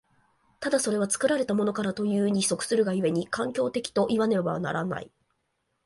ただそれは作られたものからというに即するが故に、環境的といわねばならない。